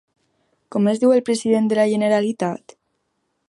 Com es diu el president de la Generalitat?